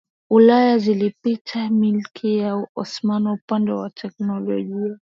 Ulaya zilipita Milki ya Osmani upande wa teknolojia